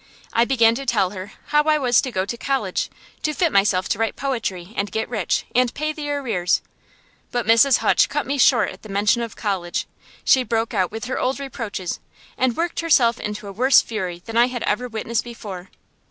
I began to tell her how I was to go to college, to fit myself to write poetry, and get rich, and pay the arrears. But Mrs. Hutch cut me short at the mention of college. She broke out with her old reproaches, and worked herself into a worse fury than I had ever witnessed before.